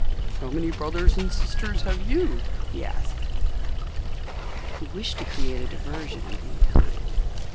How many brothers and sisters have you?" he asked. He wished to create a diversion and gain time.